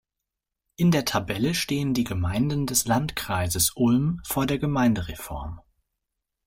In der Tabelle stehen die Gemeinden des Landkreises Ulm vor der Gemeindereform.